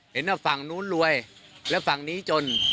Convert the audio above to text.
เห็นว่าฝั่งนู้นรวยและฝั่งนี้จน